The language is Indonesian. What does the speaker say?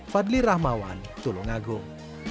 fadli rahmawan tulungagung